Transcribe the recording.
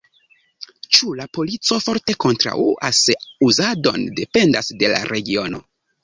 Ĉu la polico forte kontraŭas uzadon, dependas de la regiono.